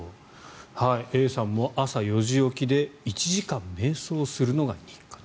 Ａさんも朝４時起きで１時間めい想するのが日課。